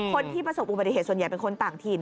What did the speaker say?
คนที่ประสบอุบัติเหตุส่วนใหญ่เป็นคนต่างถิ่น